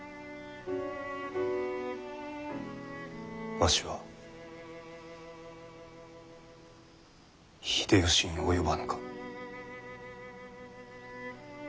わしは秀吉に及ばぬか？